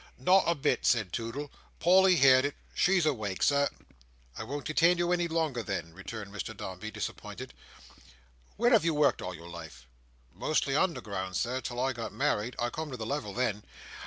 "Not a bit," said Toodle. "Polly heerd it. She's awake, Sir." "I won't detain you any longer then," returned Mr Dombey, disappointed. "Where have you worked all your life?" "Mostly underground, Sir, "till I got married. I come to the level then.